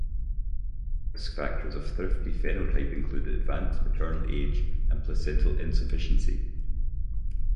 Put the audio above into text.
Risk factors of thrifty phenotype include advanced maternal age and placental insufficiency.